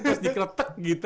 terus dikretek gitu